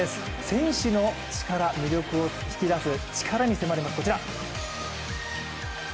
選手の力、魅力を引き出す力に迫ります。